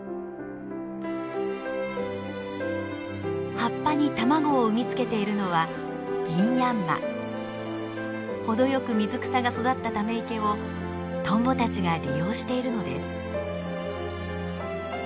葉っぱに卵を産みつけているのは程よく水草が育ったため池をトンボたちが利用しているのです。